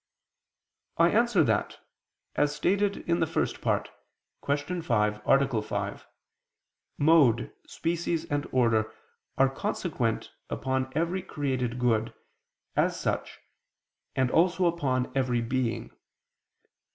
I answer that, As stated in the First Part, Q. 5, A. 5, mode, species and order are consequent upon every created good, as such, and also upon every being.